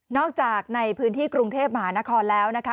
จากในพื้นที่กรุงเทพมหานครแล้วนะคะ